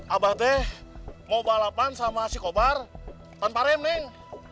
abah teh mau balapan sama si kobar tanpa remling